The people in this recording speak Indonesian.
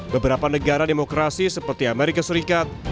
beberapa negara demokrasi seperti amerika serikat